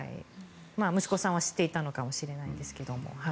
息子さんは知っていたのかもしれないですけど。